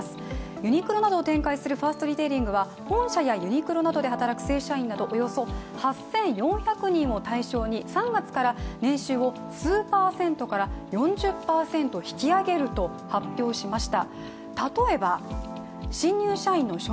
ユニクロなどを展開するファーストリテイリングは本社やユニクロなどで働く正社員をおよそ８４００人を対象に３月から年収を数パーセントから、４０％引き上げると発表しました。